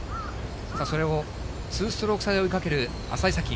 それを２ストローク差で追いかける浅井咲希。